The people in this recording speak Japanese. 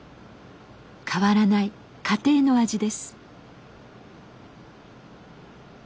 変わらない家庭の味です。